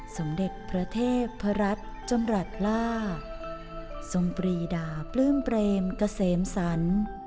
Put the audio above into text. สมเด็กพระเทพรัตต์จมรัตต์ล่าสมปรีดาปลื้มเปรมกะเสมสัน